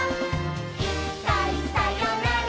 「いっかいさよなら